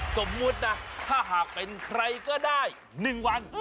สมมุตินะถ้าหากเป็นใครก็ได้๑วัน